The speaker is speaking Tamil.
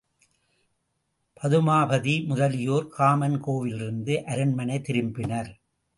பதுமாபதி முதலியோர் காமன் கோவிலிருந்து அரண்மனை திரும்பினர்.